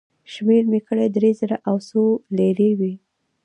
شمېر مې کړې، درې زره او څو لېرې وې.